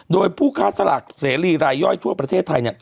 โดยผู้ค้าสลากเสรีรายย่อยทั่วประเทศไทย